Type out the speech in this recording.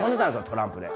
トランプで。